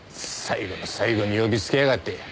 最後の最後に呼びつけやがって。